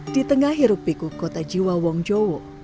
di tengah hirup piku kota jiwa wong jowo